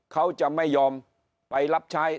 เขาจะไม่ยอมไปรับใช้